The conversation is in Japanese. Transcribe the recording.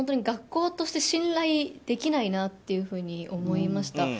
学校として信頼できないなって思いました。